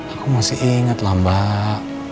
aku masih ingatlah mbak